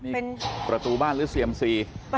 เป็นประตูบ้านหรือเสียมสี่